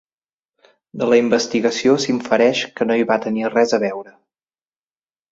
De la investigació s'infereix que no hi va tenir res a veure.